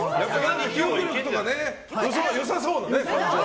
記憶力とか良さそうな感じは。